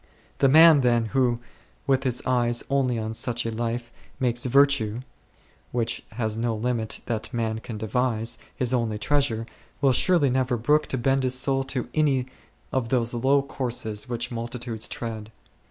The man, then, who, with his eyes only on such a life, makes virtue, which has no limit that man can devise, his only treasure, will surely never brook to bend his soul to any of those low courses which multitudes tread.